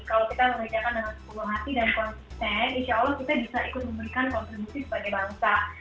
kalau kita mengerjakan dengan sepuluh hati dan konsisten insya allah kita bisa ikut memberikan kontribusi sebagai bangsa